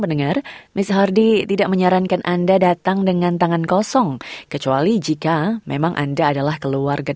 untuk memberi mereka saluran yang menyenangkan untuk bisa bergabung dalam perbicaraan